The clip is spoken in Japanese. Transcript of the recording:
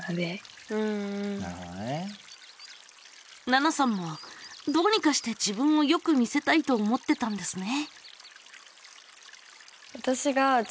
ななさんもどうにかして自分をよく見せたいと思ってたんですね。